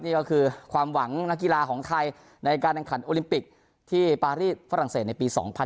นี่ก็คือความหวังนักกีฬาของไทยในการแข่งขันโอลิมปิกที่ปารีสฝรั่งเศสในปี๒๐๑๖